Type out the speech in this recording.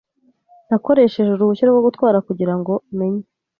Nakoresheje uruhushya rwo gutwara kugirango menye.